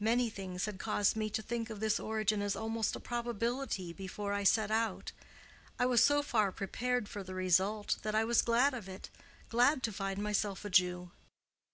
Many things had caused me to think of this origin as almost a probability before I set out. I was so far prepared for the result that I was glad of it—glad to find myself a Jew."